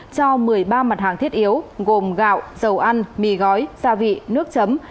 cho một mươi ba mặt hàng thiết yếu gồm gạo dầu ăn mì gói gia vị nước chấm